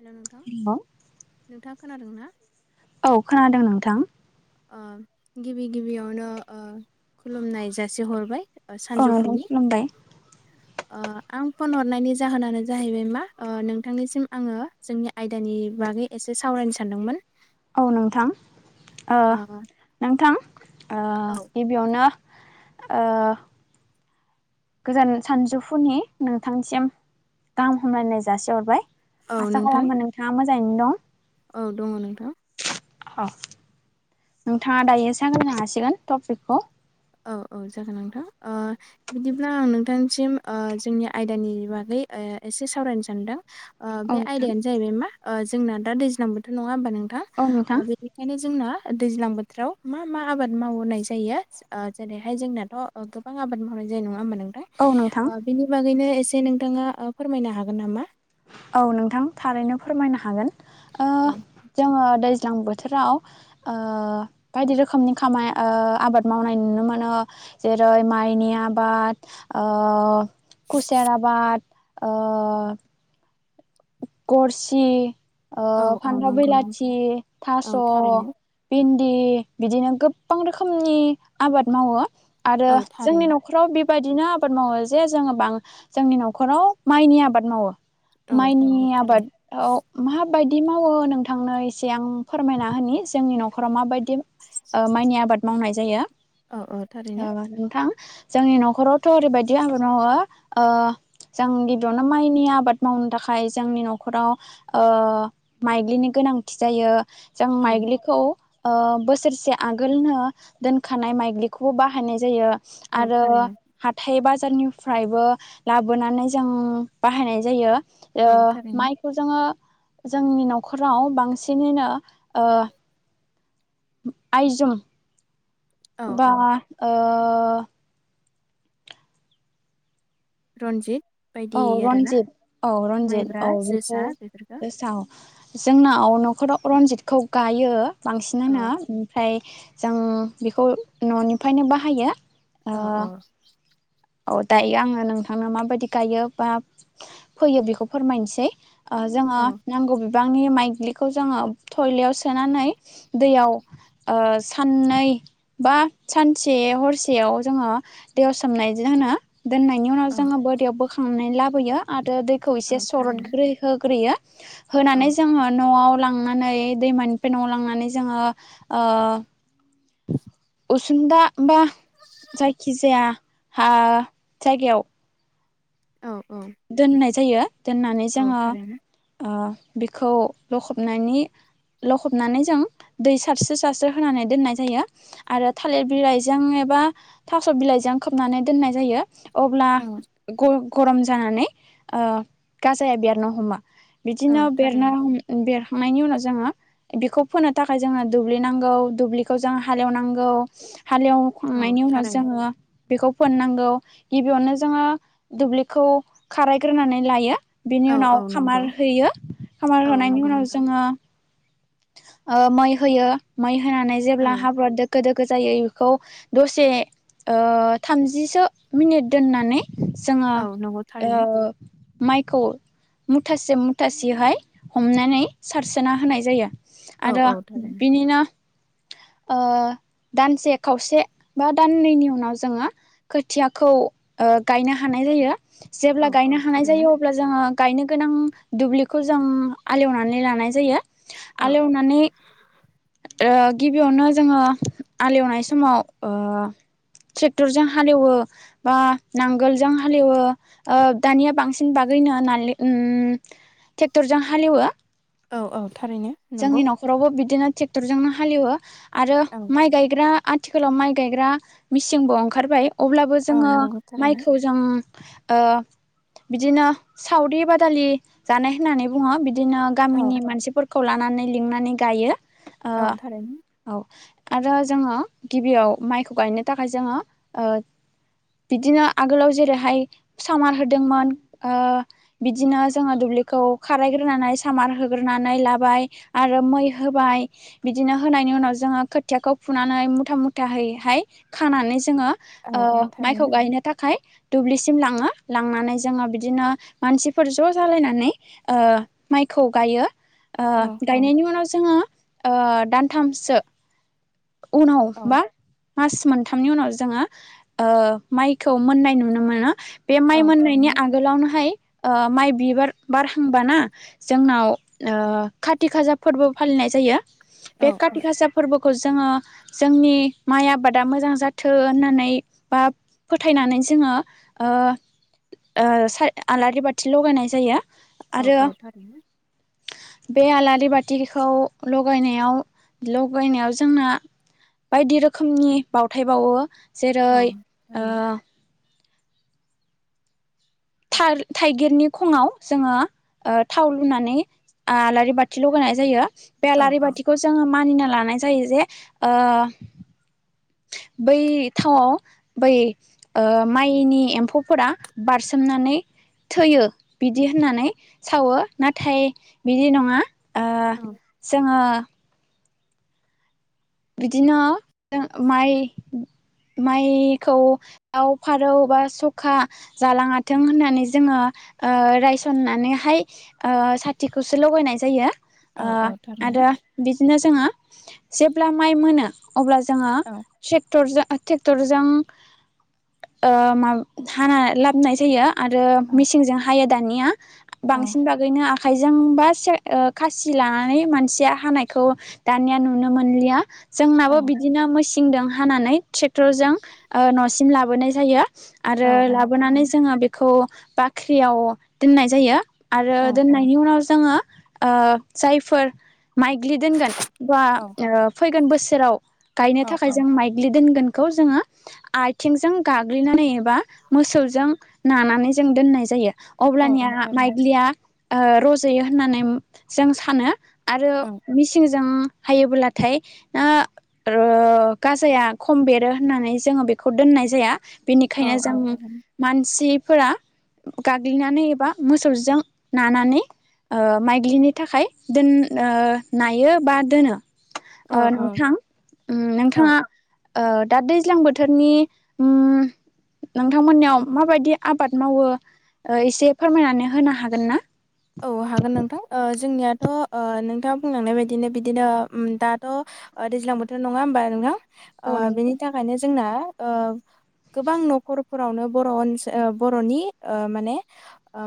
hello नोंथां hello नोंथाङा खोनादों ना औ खोनादों नोंथां ओ गिबि गिबियावनो ओ खुलुमनाय जासिहरबाय अह नोंथां सानजौफुनि खुलुमबाय ओ आं फन हरनायनि जाहोनानो जाहैबाय मा ओ नोंथांनिसिम आङो जोंनि आयदानि बागै एसे सावरायनो सानदोंमोन औ नोंथां ओ नोंथां ओ औ गिबियावनो ओ गोजोन सानजौफुनि नोंथांनिसिम गाहाम हामलायनाय जासिहरबाय औ आसा नोंथां खालामो नोंथाङा मोजाङैनो दं औ दङ नोंथां औ नोंथाङा दायो सावरायनो हासिगोन टपिकखौ औ औ जागोन नोंथां ओ बिदिब्ला आं नोंथांसिम जोंनि आयदानि बागै ओ एसे सावरायनो सानदों ओ औ बे नोंथां आयदायानो जाहैबाय मा जोंना दा दैज्लां बोथोर नङा नङा होमबा नोंथां औ नोंथां ओ बेनिखायनो जोंना दैज्लां बोथोराव मा मा आबाद मावनाय जायो ओ जेरैहाय जोंनाथ' गोबां आबाद मावनाय जानाय नङा होनबा नोंथां औ नोंथां ओ बिनि बागैनो एसे से नोंथाङा फोरमायनो हागोन नामा औ नोंथां थारैनो फोरमायनो हागोन ओ औ जोङो दैज्लां बोथोराव ओ बायदि रोखोमनि खामानि आबाद मावनाय नुनो मोनो जेरै माइनि आबाद ओ खुसेर आबाद ओ गरसि ओ औ औ फान्थाव नंगौ नंगौ बिलाथि थास' औ बि थारैनो बिनदि बिदिनो गोबां रोखोमनि आबाद मावो आरो औ जोंनि थारैनो न'खराव बे बेबायदिनो आबाद मावो जे जोङो बां जोंनि न'खराव माइनि आबाद मावो औ नंगौ माइनि थारैनो आबादाव मा मा बायदि मावो नोंथांनो एसे आं फोरमायना होनि जोंनि न'राव मा बायदि दि माइनि आबाद मावनाय जायो औ औ ओ थारैनो नोंथां जोंनि न'खरावथ' ओरैबायदि आबाद मावो ओ जों गिबिआवनो माइनि आबाद मावनो थाखाय जोंनि न'खराव ओ माइग्लिनि गोनांथि जायो जों औ माइग्लिखौ ओ बोसोरसे आगोलनो दोनखानाय माइग्लिखौबो बाहायनाय जायो औ आरो थारैनो हाथायबा फोरनिफ्रायबो लाबोनानै जों बाहायनाय जायो ओ औ थारैनो माइखौ जोङो जोंनि न'खराव बांसिनैनो ओ आयजोम औ बा औ ओ रन्जित बायदि औ आरोना रनजित औ रनजित माइब्रा औ बेखौ जोसा बेफोरखौ गोसाव जोंनाव न'खराव रनजितखौ गायो औ बांसिनानो ओमफ्राय जों बेखौ न'निफ्रायनो बाहायो ओ औ औ औ दायो आङो नोंथांनो माबायदि गायो बा फोयो बेखौ फोरमायनोसै ओ जोङो औ नांगौ बि बांनि माइग्लिखौ जोङो थयलायाव सोनानै दैयाव ओ साननै बा सानसे हरसेयाव जोङो दैयाव सोमनाय दिनो होना दोननायनि उनाव औ जोङो बोरियाव बोखांनानै लाबोयो आर रो दैखौ औ एसे सरद थारैनो ग्रैहै ग्रोहोयो औ होनानै जों न'आव लांनानै दैमानिफ्राय नवाव लांनानै जोङो ओ उसुनदा बा जायखिजाया हा जायगायाव औ औ दोननाय जायो दोननानै औ जोङो थारैनो ओ बेखौ लखबनायनि लखबनानै जों दै सारस्रो सारस्रो होनानै दोननाय जायो आरो थालिर बिलाइजों एब बा थास' बिलाइजों खोबनानै दोननाय जायो अब्ला औ ग गरम जानानै गाजाया बेरनो हमो बिदिनो औ बेरना थारैनो हम बेर खांनायनि उनाव जोङो बेखौ फोनो थाखाय जोङो दुब्लि नांगौ दुब्लिखौ जों हालेवनांगौ औ हालेवखांनायनि उनाव थारैनो जोङो बेखौ फोनांगौ गिबियावनो जोङो दुब्लिखौ खारायग्रोनानै लायो बिनि औ औ उनाव नंगौ खामार होयो खामार औ होनायनि नंगौ उनाव नोंथां जोङो ओ मै होयो मै होनानै जेब्ला औ हाब्रुवा दोखो दो गोजायै बेखौ दसे ओ थामजिसो मिनिट दोननानै जोङो औ नंगौ ओ थारैनो माइखौ मुथासे मुथासेहाय हमनानै सारसोना होनाय जायो औ आरो औ थारैनो बिनिनो ओ दानसे खावसे बा दाननैनि उनाव जोङो खोथियाखौ ओ गायनो हानाय जायो औ जेब्ला गायनो औ हानाय थारैनो जायो अब्ला जोङो गायनो गोनां दुब्लिखौ जों आलेवनानै लानाय जायो औ आलेवनानै ओ गिबियावनो जोङो आलेवनाय समाव ट्रेक्टरजों हालेवो बा नांगोलजों हालेवो ओ दानिया बांसिन बार [unintelligible] उम ट्रेक्टरजों हालेवो औ औ थारैनो नंगौ जोंनि न'खरावबो बिदिनो ट्रेक्टरजोंनो हालेवो आरो औ माइ गायग्रा आथिखालाव माइ गायग्रा मेचिनबो ओंखारबाय अब्लाबो औ जोङो नंगौ थारैनो माइखौ जों ओ बिदिनो सावदि बादालि जानाय होननानै बुङो बिदि दिनो औ गामिनि मानसिफोरखौ लानानै लिंनानै गायो ओ औ थारैनो औ आरो जोङो गिबियाव माइखौ गायनो थाखाय जोङो ओ बिदिनो आगोलाव जेरैहाय सामार होदोंमोन ओ बिदिनो जोंङो दु ब्लिखौ खारायग्रोनानै सामार होग्रोनानै ला बाय आरो मै होबाय बिदिनो होनायनि उनाव जोङो खोथियाखौ फुनानै मुथा मुथाहाय नै हाय खानानै जोङो औ औ ओ माइखौ थारैनो गायनो थाखाय दुब्लिसिम लाङो लांनानै जोङो बिदिनो मानसिफोर ज' जालायनानै ओ माइ बिखौ गायो ओ औ औ गनायनि उनाव जोङो दानथामसो उनाव औ बा मास मोनथामनि उनाव जोङो ओ माइखौ मोननाय नुनो मोनो बे माइ औ मोननायनि थारैनो आगोलावनोहाय ओ माइ बिबार बारहांबाना जोंनाव ओ खाथि खाजा फोरबो फालिनाय जायो औ बे काति गासा फोरबोखौ जों जोङो जोंनि माइ आबादा मोजां जाथो होननानै बा फोथायनानै जोङो आलारि बाथि लगायनाय जायो औ आरो औ थारैनो बे आलारि बाथिखौ लगायनायाव लगायनायाव जोंना बायदि रोखोमनि बावथाय बावो औ जेरै थारैनो थाइगिरनि खङाव जोङो थाव लुनानै आलारि बाथिल' होनाय जायो बे औ आलारि औ बाथिखौ जोङो मानिना लानाय जायो जे [inaudible] बै थावआव बै माइनि एम्फौफोरा बारसोमनानै थैयो बिदि होननानै सावो नाथाय बिदि नङा औ जोङो बिदिनो जों माइ माइखौ दाव फारौ बा सखा जालाङाथों होननानै जोङो रायसननानैहाय साथिखौसो लगायनाय जायो औ औ थारैनो आरो बिदिनो जोङो जेब्ला माइ मोनो अब्ला जोङो औ ट्रेक्टरजों ट्रेक्टरजों हाना लाबोनाय जायो आरो औ मिसिंजों हायो दानिया औ बांसिन बागैनो आखाइजोंबा ओ खासि लानानै मानसिया हानायखौ दानिया नुनो मोनो लिया जोंनाबो औ बिदिनो [unintelligible] हानानै ट्रेक्टरजों ओ न'सिम लाबोनाय जायो औ आरो औ लाबोनानै थारैनो जोङो बेखौ बाख्रियाव दोननाय जायो आरो औ औ दोननायनि उनाव जोङो जायफोर माइग्लि दोनगोन बा औ ओ फैगोन बोसोराव गायनो औ थाखाय औ जों माइग्लि दोनगोन बे खौ जोङो आथिंजों गाग्लिनानै एबा मोसौजों नानानै जों दोननाय जायो औ अब्लानिया औ थारैनो माइग्लिया ओ रज'यो होननानै जों सानो आरो औ मिसिंजों हायोब्ला नाथाय ओ गाजाया खम बेरो होननानै जोङो बेखौ दोननाय जाया औ बेनिखायनो जों औ थारैनो मानसिफोरा गाग्लिनानै एबा मोसौजों नानानै ओ माइग्लिनि थाखाय दोन नायो बा दोनो औ ओ औ नोंथां औ नोंथाङा ओ दा दैज्लां बोथोरनि उम नोंथांमोननियाव माबायदि आबाद मावो एसे फोरमायनानै होनो हागोन ना दाथ' नोंथाङा बुंलांनाय बायदिनो बिदिनो दाथ' दैज्लां बोथोर नङा होमबा नोंथां औ नंगौ बेनि थाखायनो जोंना गोबां न'खर फोरावनो बर' ओनसोल बर'नि माने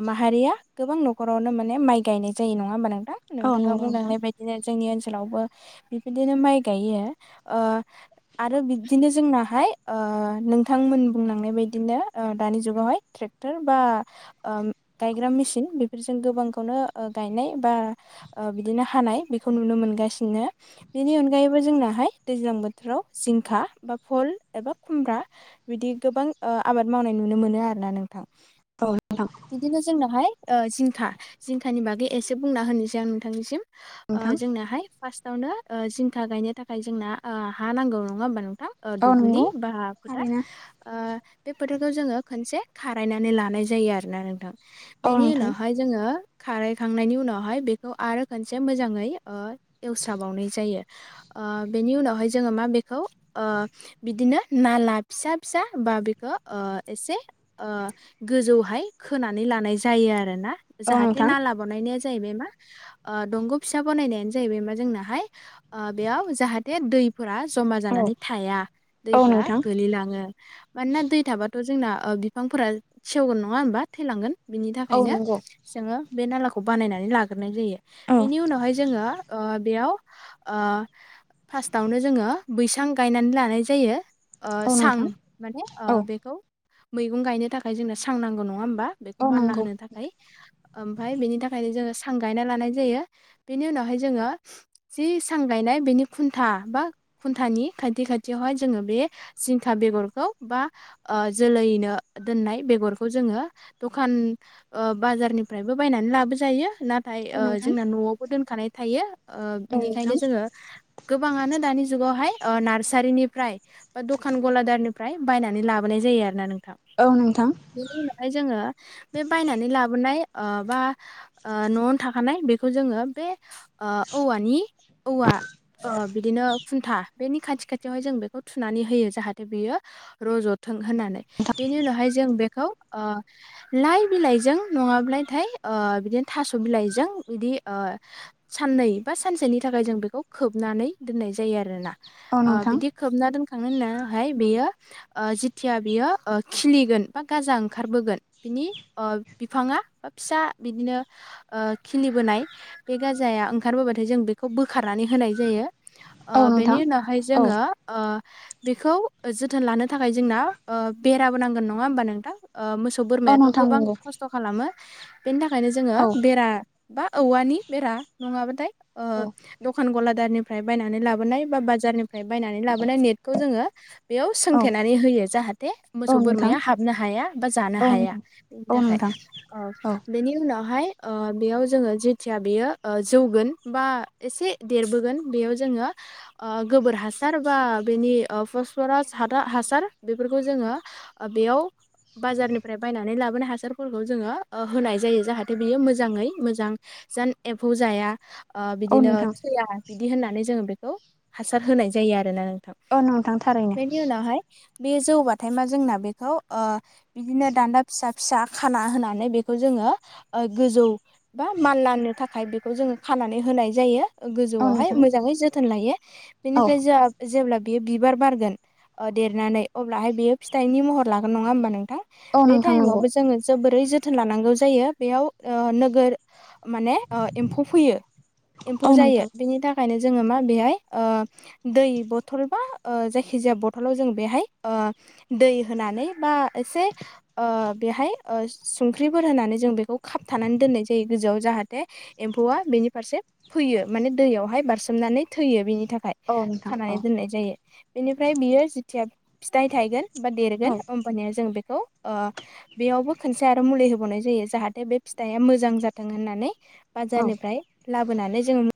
माहारिया गोबां नखर न'खरावनो माने माइ गायनाय जायो नङा होमबा नोंथां औ नोंथाङा नंगौ बुंलांनाय बायदिनो जोंनि ओनसोलावबो बिबायदिनो माइ गायो आरो बिबदिनो जोंनाहाय नोंथांमोन बुंलांनाय बायदिनो दानि जुगावहाय ट्रेक्टर बा गायग्रा मेसिन फोरजों गोबांखौनो ओ गायनाय बा ओ बिदिनो हानाय बेखौ नुनो मोनगासिनो बेनि अनगायैबो जोंनाहाय दैज्लां बोथोराव जिंखा बा फल एबा खुमब्रा बिदि गोबां ओ आबाद मावनाय नुनो मोनो आरोना नोंथां बिदिनो जोंनावहाय ओ जिंखा जिंखानि बागै एसे बुंना होनोसै आं नोंथांनिसिम ओ नोंथां जोंनाहाय फार्स्ट थावनो ओ जिंखा गायनो थाखाय जोंना ओ हा नांगौ नङा होमबा नों था ओ औ नोंथां औ दुब्लि नंगौ बा फोथार थारैनो ओ बे फोथरखौ जोङो खनसे खारायनानै लानाय जायो आरोना नोंथां औ बेनि नोंथां उनावहाय जोङो खारायखांनायनि उनावहाय बेखौ आरो खोनसे ओ मोजाङै एवस्राबावनाय जायो ओ बेनि उनावहाय जोङो मा बेखौ ओ बिदिनो नाला फिसा फिसा बा बेखौ ओ एसे ओ गोजौहाय खानै लानाय जा जायो आरोना औ जाहाथे नोंथां नाला बनायनाया जाहैबाय मा ओ दंग फिसा बनायनायानो जाहैबाय मा जोनाहाय जाहाथे दै फोरा जमा औ जानानै थाया औ दैफोरा नोंथां गोलैलाङो मानोना दै थाबा थ' जोंना ओ बिफांफोरा सेवगोन नङा होनबा थैलांगोन बिनि औ थाखायनो नंगौ जोङो बे नालाखौ बानायनानै लाग्रोनाय जायो औ बेनि उनावहाय जोङो ओ बेयाव ओ फार्स्टआवनो जोङो बैसां गायनानै लानाय जायो ओ औ सां नोंथां माने औ बेखौ मैगं गायनो थाखाय जोंनो सां नांगौ नङा होमबा बेखौ औ मानला नंगौ होनो थाखाय ओमफ्राय बेनि थाखायनो जोङो सां गायना लानाय जायो बेनि उनावहाय जोङो जि सां गायना नाय बेनि खुन्था बा खुन्थानि खाथि खाथियावहाय जोङो बे जिंखा बेगरखौ बा ओ जोलैनो दोननाय बेगरखौ जोङो दखान ओ बाजारनिफ्रायबो बायनानै लाबोजायो नाथाय औ ओ नोंथां जोंना न'आवबो दोनखानाय थायो ओ बिनिखायनो जोङो गोबाङानो दानि जुगावहाय ओ नार्सारिनिफ्राय बा दखान गलादारनिफ्राय बायनानै लाबोनाय जायो आरोना नों थां औ नोंथां औ नोंथां बेनि उनावहाय जोङो बे बायनानै लाबोनाय ओ बा न'आवनो थाखानाय बेखौ जोङो बे ओ औवानि औवा ओ बिदिनो खुन्था बेनि खाथि खाथियावहाय जों बेखौ थुनानै होयो जाहाथे बियो रज' थों होननानै बेनि उनावहाय जों बेखौ ओ लाइ बिलाइजों नङाब्लाथाय ओ बिदिनो थास' बिलाइजों बिदि साननै बा सानसेनि थाखाय जों बेखौ खोबनानै दोननाय जायो आरोना औ ओ नोंथां बिदि खोबना दोन थांनो होननाहाय बेयो जिथिया बियो खिलिगोन बा गाजा ओंखारबोगोन बिनि ओ बिफाङा बा फिसा बिदिनो ओ खिलिबोनाय बे गाजा नाया ओंखारबोबाथाय जों बेखौ बोखारनानै होनाय जायो ओ औ बेनि नोंथां उनावहाय औ जोङो ओ बेखौ जोथोन लानो थाखाय जोंना ओ बेराबो नांगोन नङा होमबा नोंथां ओ मोस सौ औ बोरमायाथ' नोंथां गोबां नंगौ खस्थ' खालामो बेनि थाखायनो जोङो औ बेरा बा औवानि बेरा नङाबाथाय औ दखान गला दारनिफ्राय बायनानै लाबोनाय बा बाजारनिफ्राय बायनानै लाबोनाय नेटखौ जोङो बेयाव औ सोंथेनानै होयो जाहाथे औ मोसौ नोंथां बोरमाया हाबनो हाया बा जानो औ हा हाया नोंथां बेनि औ थाखाय नोंथां औ बेनि उनावहाय ओ बेयाव जोङो जेथिया बेयो जौगोन बा एसे देरबोगोन बेयाव जोङो ओ गोबोर हासार बा बेनि फसफरास ह हासार बेफोरखौ जोङो बेयाव बाजारनि फ्राय बायनानै लाबोनाय हासारफोरखौ जोङो ओ होनाय जायो जाहाथे बियो मोजाङै मोजां जान ए फौ जाया औ बिदिनो नोंथां थोया बिदि होननानै जोङो बेखौ हासार होनाय जायो आरोना नों थां औ नोंथां थारैनो बेनि उनावहाय बे जौबाथायमा जोंना बेखौ ओ बिदिनो दान्दा फिसा फिसा खाना होनानै बेखौ जोङो गोजौ बा मानलनो थाखाय बेखौ जोङो खानानै होनाय जायो औ गोजौआवहाय नोंथां मोजाङै जोथोन लायो औ बेनिफ्राय ज जेब्ला बेयो बिबार बारगोन ओ देरनानै अब्लाहाय बेयो फिथाइनि महर लागोन नङा होमबा नोंथां औ बे नोंथां नंगौ टाइमावबो जोङो जोबोरै जोथोन लानांगौ जायो बेयाव नोगोर माने ओ एम्फौ फैयो एम्फौ औ जायो नोंथां बेनि थाखायनो जोङो मा बेहाय ओ दै बथल बा जायखिजाया बथलाव जों बेहाय दै होनानै बा एसे ओ बेहाय ओ संख्रिफोर होनानै जों बेखौ खाबथानानै दोननाय जायो गोजौआव जाहाथे एम्फौआ बेनि फारसे फैयो माने दैयावहाय बारसोमनानै थैयो बिनि थाखाय औ नोंथां खानानै औ दोननाय जायो बेनिफ्राय बियो जेथिया फिथाइ थायगोन बा औ देरगोन होमबानिया जों बेखौ ओ बेयावबो खनसे आरो मुलि होबावनाय जायो जाहाथे बे फिथाइया मोजां जाथों होननानै औ बाजारनिफ्राय लाबोनानै जोङो